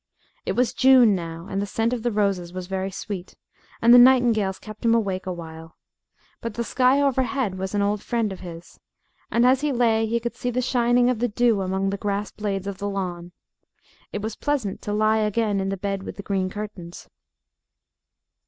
It was June now, and the scent of the roses was very sweet, and the nightingales kept him awake awhile. But the sky overhead was an old friend of his, and as he lay he could see the shining of the dew among the grass blades of the lawn. It was pleasant to lie again in the bed with the green curtains.